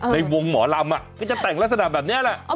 ในวงหมอลำก็จะแต่งลักษณะแบบนี้แหละ